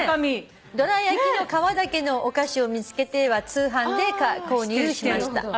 「どら焼きの皮だけのお菓子を見つけては通販で購入しました。